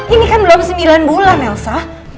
ini kan belum sembilan bulan elsa